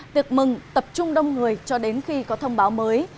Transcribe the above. tiệc mừng tập trung đông người cho đến khi có thông báo mới